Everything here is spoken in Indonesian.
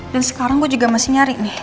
dan sekarang gue juga masih nyari nih